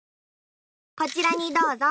こちらにどうぞ。